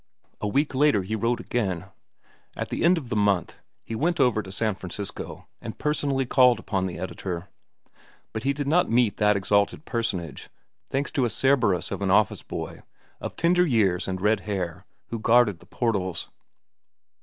A week later he wrote again. At the end of the month, he went over to San Francisco and personally called upon the editor. But he did not meet that exalted personage, thanks to a Cerberus of an office boy, of tender years and red hair, who guarded the portals.